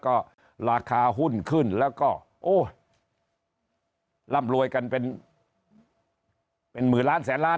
ก็ราคาหุ้นขึ้นแล้วก็โอ้ยร่ำรวยกันเป็นหมื่นล้านแสนล้าน